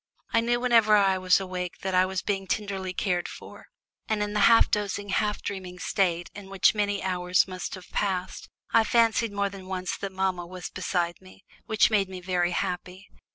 I knew whenever I was awake that I was being tenderly cared for, and in the half dozing, half dreaming state in which many hours must have been passed, I fancied more than once that mamma was beside me, which made me very happy.